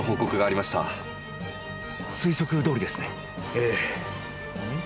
ええ。